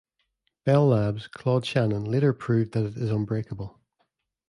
Bell Labs' Claude Shannon later proved that it is unbreakable.